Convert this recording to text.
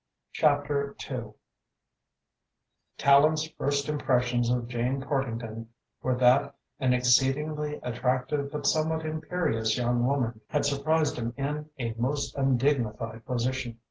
CHAPTER II Tallente's first impressions of Jane Partington were that an exceedingly attractive but somewhat imperious young woman had surprised him in a most undignified position.